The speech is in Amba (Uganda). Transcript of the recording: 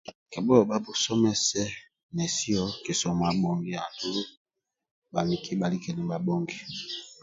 Kibhueka kibhuomese nesi kisomo abhongia andulu bhaniki bhalike nibhabhongi